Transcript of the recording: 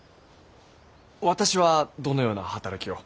私はどのような働きを。